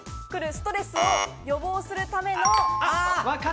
ストレスを予防するための。